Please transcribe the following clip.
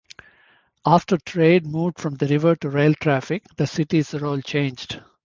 After trade moved from the river to rail traffic, the city's role changed.